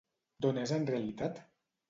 D'on és en realitat?